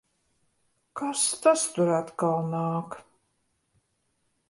Kas tas tur atkal nāk?